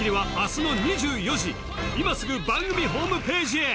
今すぐ番組ホームページへ